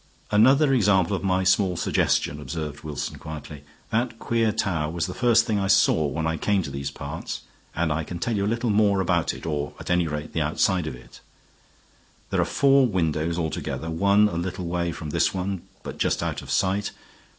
"Another example of my small suggestion," observed Wilson, quietly. "That queer tower was the first thing I saw when I came to these parts; and I can tell you a little more about it or, at any rate, the outside of it. There are four windows altogether, one a little way from this one, but just out of sight.